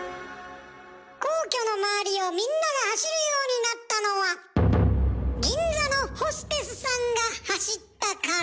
皇居の周りをみんなが走るようになったのは銀座のホステスさんが走ったから。